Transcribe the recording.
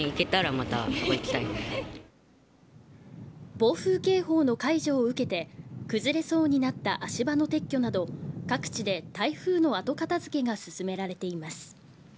暴風警報の解除を受けて崩れそうになった足場の撤去など各地で、台風の後片付けが進められています。